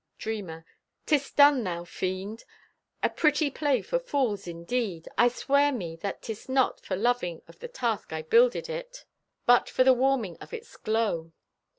Dreamer: 'Tis done, thou fiend! A pretty play for fools, indeed. I swear me that 'tis not For loving of the task I builded it, But for the warming of its glow.